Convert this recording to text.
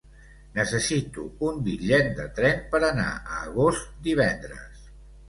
Necessito un bitllet de tren per anar a Agost divendres.